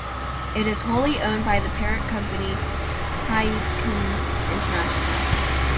It is wholly owned by parent company Heineken International.